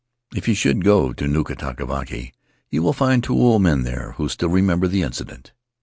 If you should go to Nukatavake you will find two old men there who still remember the incident.